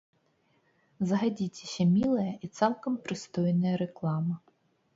Згадзіцеся, мілая і цалкам прыстойная рэклама.